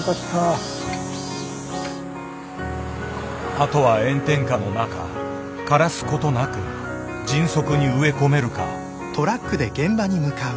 あとは炎天下の中枯らすことなく迅速に植え込めるか。